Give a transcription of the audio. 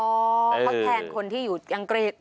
อ๋อความแทนคนที่อยู่อังกฤษ